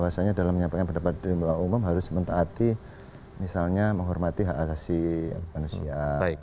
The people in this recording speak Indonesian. yang saya menyampaikan pendapat di umum harus mentaati misalnya menghormati hak asasi manusia